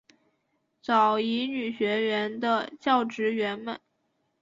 早乙女学园的教职员们。